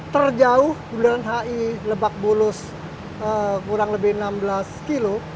terjauh bundaran hi lebak bulus kurang lebih enam belas kilo